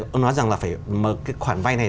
tôi nói rằng là phải mở cái khoản vay này